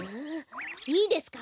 いいですか？